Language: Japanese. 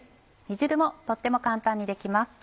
煮汁もとっても簡単にできます。